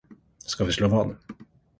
Ska vi slå vad?